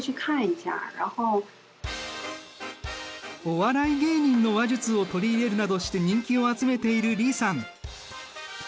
お笑い芸人の話術を取り入れるなどして人気を集めている李さん。